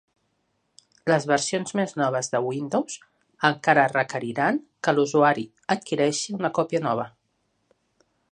Les versions més noves de Windows encara requeriran que l'usuari adquireixi una còpia nova.